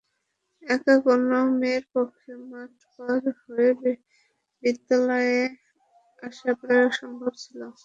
একা কোনো মেয়ের পক্ষে মাঠ পার হয়ে বিদ্যালয়ে আসা প্রায় অসম্ভব ছিল।